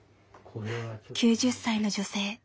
９０歳の女性。